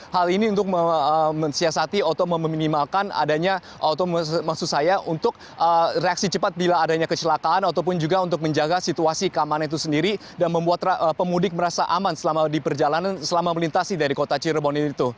hal ini untuk mensiasati atau meminimalkan adanya maksud saya untuk reaksi cepat bila adanya kecelakaan ataupun juga untuk menjaga situasi keamanan itu sendiri dan membuat pemudik merasa aman selama di perjalanan selama melintasi dari kota cirebon ini